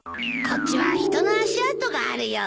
こっちは人の足跡があるよ。